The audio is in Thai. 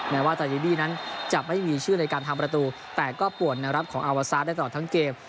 แม้ว่าตาดีบี้นั้นจะไม่มีชื่อในการทำประตูแต่ก็ปวดแนวรับของอาวาซาสได้ตลอดทั้งเกม